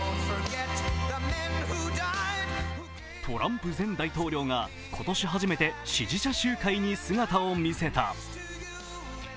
トランプ前大統領が今年初めて支持者集会に姿を見せた。